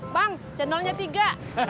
bang cendolnya tiga